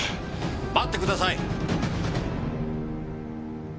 待ってください！